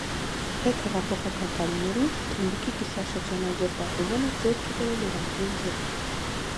Հետհեղափոխական տարիներին թմբուկի կիսաշրջանաձև պատուհանը ձեռք է բերել ուղղանկյուն ձև։